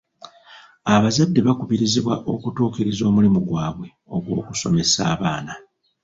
Abazadde bakubirizibwa okutuukiriza omulimu gwaabwe ogw'okusomesa abaana.